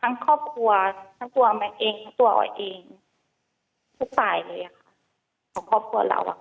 ทั้งครอบครัวทั้งตัวมันเองทั้งตัวเราเอง